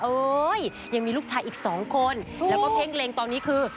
เอ้ยยังมีลูกชายอีกสองคนแล้วก็เพ่งเล็งตอนนี้คือ